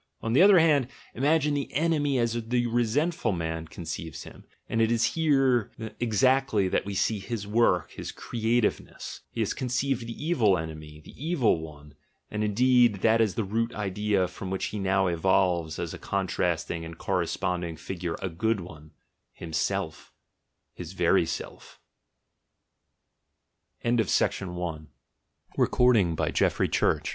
On the other hand, imagine the "enemy" as the resentful man conceives him — and it is here exactly that we see his work, his creativeness; he has conceived "the evil enemy," the "evil one," and indeed that is the root idea from which he now evolves as a contrasting and cor responding figure a "good one," himself — his very